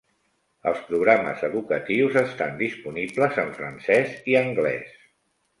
Els programes educatius estan disponibles en francès i anglès.